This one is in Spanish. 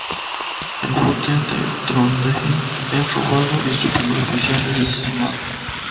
El bote de Trondheim es robado y su primer oficial es asesinado.